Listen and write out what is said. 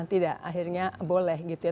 tidak akhirnya boleh gitu ya